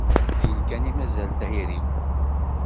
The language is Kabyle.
Din kan i mazal tayri-w.